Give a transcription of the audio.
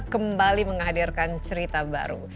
kembali menghadirkan cerita baru